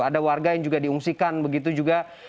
ada warga yang juga diungsikan begitu juga